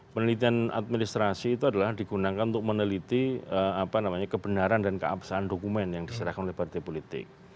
penelitian administrasi itu adalah digunakan untuk meneliti kebenaran dan keabsahan dokumen yang diserahkan oleh partai politik